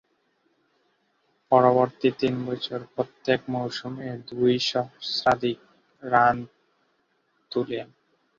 পরবর্তী তিন বছর প্রত্যেক মৌসুমেই দুই সহস্রাধিক রান তুলেন।